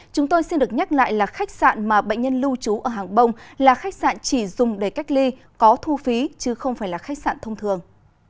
chúng tôi xin được nhắc lại là khách sạn mà bệnh nhân lưu trú ở hàng bông là khách sạn chỉ dùng để cách ly có thu phí chứ không phải là khách sạn thông thường